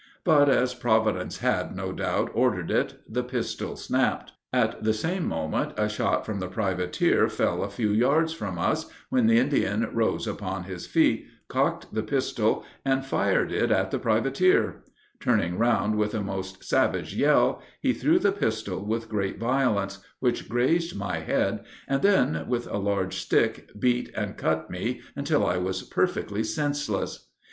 But as Providence had, no doubt, ordered it, the pistol snapped; at the same moment, a shot from the privateer fell a few yards from us, when the Indian rose upon his feet, cocked the pistol, and fired it at the privateer; turning round with a most savage yell, he threw the pistol with great violence, which grazed my head, and then, with a large stick, beat and cut me until I was perfectly senseless.